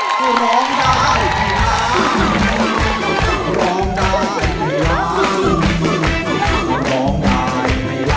คุณยาย